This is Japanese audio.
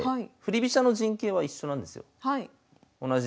飛車の陣形は一緒なんですよ。